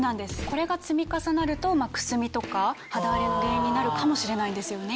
これが積み重なるとくすみとか肌荒れの原因になるかもしれないんですよね。